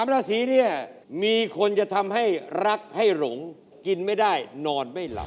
ราศีเนี่ยมีคนจะทำให้รักให้หลงกินไม่ได้นอนไม่หลับ